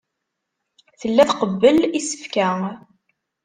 Tella tqebbel isefka.